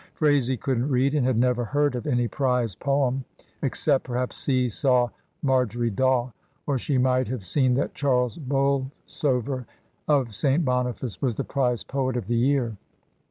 Phraisie couldn't read, and had never heard of any prize poem, ex cept perhaps "See Saw, Margery Daw," or she might have seen that Charles Bolsover of St. Boniface was the prize poet of the year.